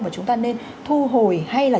và chúng ta nên thu hồi hay là